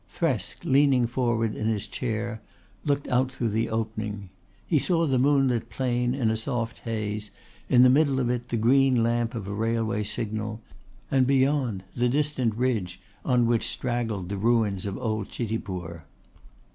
Thresk, leaning forward in his chair, looked out through the opening. He saw the moonlit plain in a soft haze, in the middle of it the green lamp of a railway signal and beyond the distant ridge, on which straggled the ruins of old Chitipur.